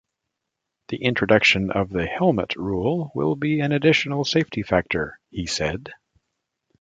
"The introduction of the helmet rule will be an additional safety factor," he said.